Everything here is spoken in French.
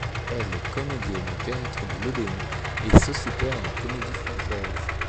Elle est comédienne au théâtre de l'Odéon et sociétaire à la Comédie-Française.